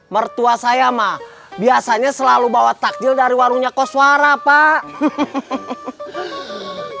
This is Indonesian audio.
mertua saya mah biasanya selalu bawa takjil dari warungnya koswara pak